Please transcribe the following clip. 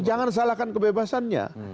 jangan salahkan kebebasannya